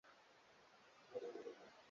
Harufu mbaya kutoka kwa vidonda